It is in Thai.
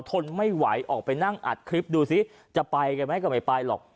ทนไม่ไหวออกไปนั่งอัดคลิปดูซิจะไปกันไหมก็ไม่ไปหรอก